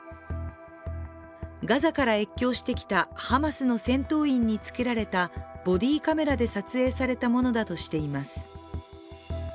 ガザから越境してきたハマスの戦闘員につけられたボディーカメラで撮影されたものだとしています。